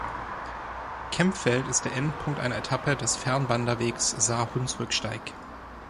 Kempfeld ist der Endpunkt einer Etappe des Fernwanderwegs Saar-Hunsrück-Steig.